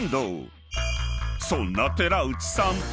［そんな寺内さん